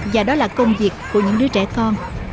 và đó là công việc của những đứa trẻ con